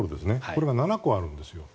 これが７個あるんですよ。